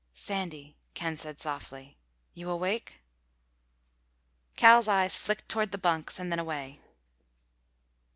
"Sandy," Ken said softly. "You awake?" Cal's eyes flicked toward the bunks and then away.